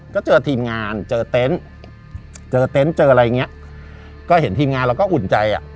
ก็เจอทีมงานเจอเต็นต์เจอเต็นต์เจออะไรอย่างเงี้ยก็เห็นทีมงานเราก็อุ่นใจอ่ะ